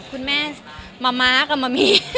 คุณแม่มะม้ากับมะหมี่